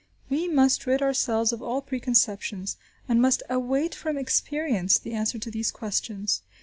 We must rid ourselves of all preconceptions, and must await from experience the answer to these questions.